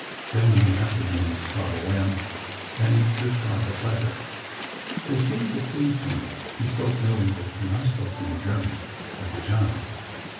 Then, in the afternoon, 'La Bohême' and 'The Scarlet Letter.' They seemed to please him. He spoke no English, and I spoke no German, at the time.